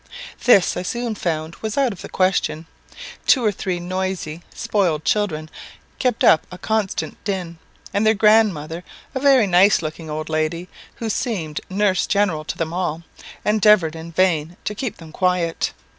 This I soon found was out of the question. Two or three noisy, spoiled children kept up a constant din; and their grandmother, a very nice looking old lady, who seemed nurse general to them all, endeavoured in vain to keep them quiet.